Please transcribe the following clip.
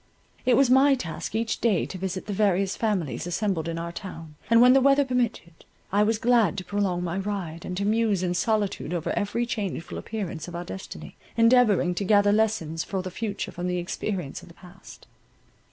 It was my task each day to visit the various families assembled in our town, and when the weather permitted, I was glad to prolong my ride, and to muse in solitude over every changeful appearance of our destiny, endeavouring to gather lessons for the future from the experience of the past.